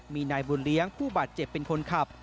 มีนายบุญเลี้ยงผู้บาดเจ็บเป็นคนขับ